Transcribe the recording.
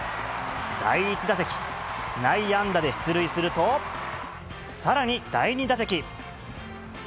第１打席、内野安打で出塁すると、さらに第２打席。